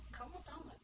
kamu tau gak